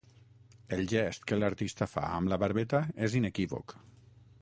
El gest que l'artista fa amb la barbeta és inequívoc.